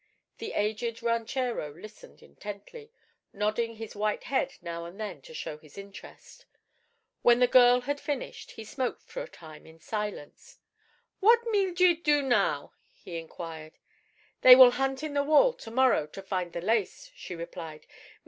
The aged ranchero listened intently, nodding his white head now and then to show his interest. When the girl had finished he smoked for a time in silence. "What Meeldred do now?" he inquired. "They will hunt in the wall, to morrow, to find the lace," she replied.